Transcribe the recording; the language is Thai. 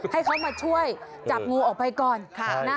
ให้เขามาช่วยจับงูออกไปก่อน